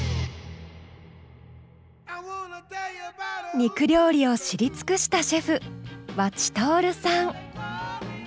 肉料理を知り尽くしたシェフ和知徹さん。